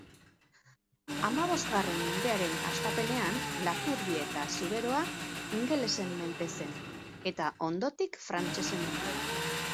Hamabostgarren mendearen hastapenean Lapurdi eta Zuberoa ingelesen menpe zen, eta ondotik frantsesen menpe.